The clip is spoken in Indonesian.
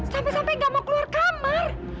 sampai sampai gak mau keluar kamar